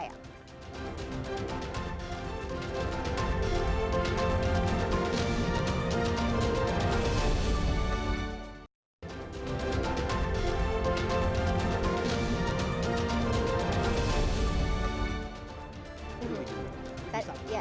semoga kalian percaya